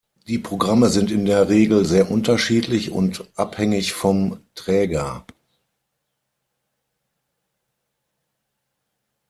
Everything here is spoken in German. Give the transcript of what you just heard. Die Programme sind in der Regel sehr unterschiedlich und abhängig vom Träger.